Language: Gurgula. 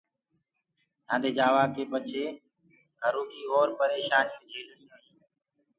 يهآنٚدي جآوآ ڪي بآد گھرو ڪيٚ اور پريشآنيٚون جھيلڻينٚ